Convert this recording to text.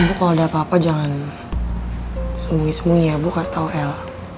ibu kalo ada apa apa jangan semui semui ya ibu kasih tau el